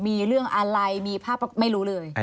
มีเรื่องอะไรมีภาพไม่รู้เลย